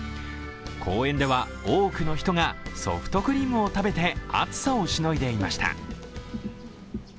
公園では多くの人がソフトクリームを食べて暑さをしのいでいました。